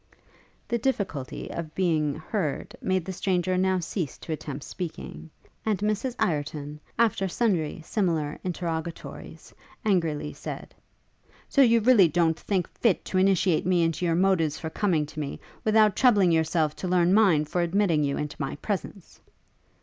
The difficulty of being heard made the stranger now cease to attempt speaking; and Mrs Ireton, after sundry similar interrogatories, angrily said, 'So you really don't think fit to initiate me into your motives for coming to me, without troubling yourself to learn mine for admitting you into my presence?'